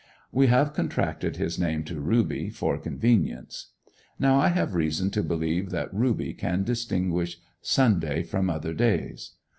We have contracted his name to Ruby for convenience. Now I have reason to believe that Ruby can distinguish Sunday from other days.